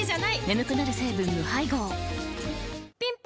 眠くなる成分無配合ぴん